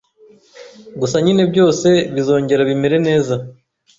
Gusa nyine byose bizongera bimere neza